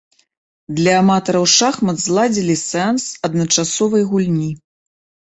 Для аматараў шахмат зладзілі сеанс адначасовай гульні.